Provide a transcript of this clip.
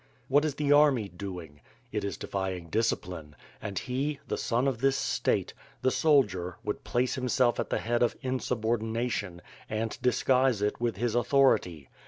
What is the army doing? It is defying discipline; and he, the son of this State, the soldier would place himself at the head of insubordination, and disguise it with his authority.